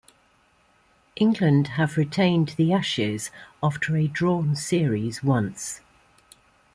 England have retained the Ashes after a drawn series once.